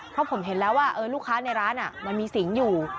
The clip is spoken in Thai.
เพราะผมเห็นแล้วว่าลูกค้าในร้านมันมีสิงอยู่